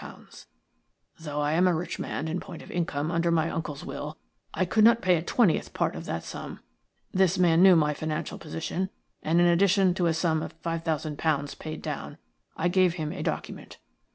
Though I am a rich man in point of income under my uncle's will, I could not pay a twentieth part of that sum. This man knew my financial position, and, in addition to a sum of £5,000 paid down, I gave him a document.